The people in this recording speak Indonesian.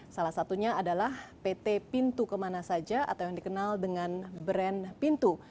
salah satunya adalah pt pintu kemana saja atau yang dikenal dengan brand pintu